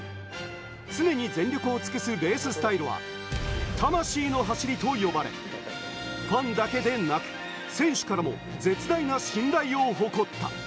常に全力を尽くすレーススタイルは魂の走りと呼ばれ、ファンだけでなく選手からも絶大な信頼を誇った。